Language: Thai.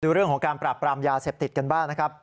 เรื่องของการปราบปรามยาเสพติดกันบ้างนะครับ